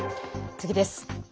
次です。